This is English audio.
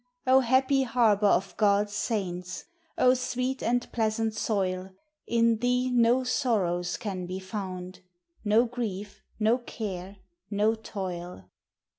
O happy harbor of God's saints! O sweet and pleasant soil! In thee no sorrows can be found No grief, no care, no toil.